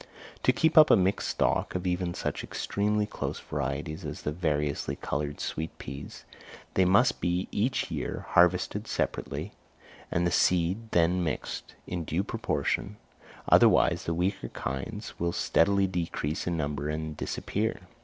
To keep up a mixed stock of even such extremely close varieties as the variously coloured sweet peas, they must be each year harvested separately, and the seed then mixed in due proportion, otherwise the weaker kinds will steadily decrease in number and disappear.